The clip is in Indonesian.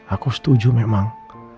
aku setuju memang